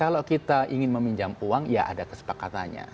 kalau kita ingin meminjam uang ya ada kesepakatannya